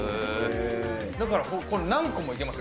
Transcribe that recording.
だからこれ、何個もいけますよ。